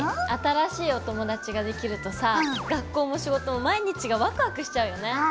新しいお友達ができるとさぁ学校も仕事も毎日がワクワクしちゃうよね。